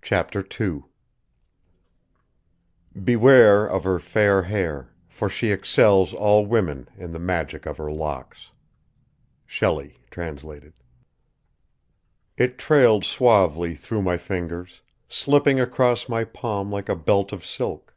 CHAPTER II "Beware of her fair hair, for she excels All women in the magic of her locks." SHELLEY (Trans.). It trailed suavely through my fingers, slipping across my palm like a belt of silk.